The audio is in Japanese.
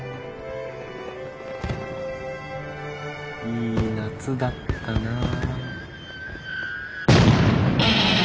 いい夏だったなぁ。